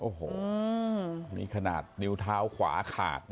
โอ้โหนี่ขนาดนิ้วเท้าขวาขาดนะ